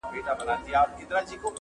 خولگۍ راکه شل کلنی پسرلی رانه تېرېږی -